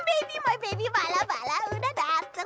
baby my baby bala bala udah dateng